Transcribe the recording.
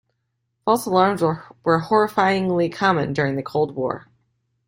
False alarms were horrifyingly common during the Cold War.